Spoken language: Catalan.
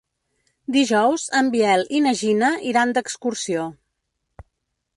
Dijous en Biel i na Gina iran d'excursió.